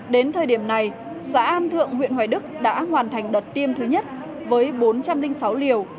đến thời điểm này xã an thượng huyện hoài đức đã hoàn thành đợt tiêm thứ nhất với bốn trăm linh sáu liều